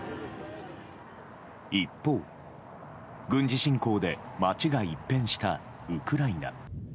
一方、軍事侵攻で街が一変したウクライナ。